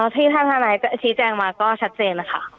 ที่ท่านธนายชี้แจงมาก็ชัดเจนนะคะ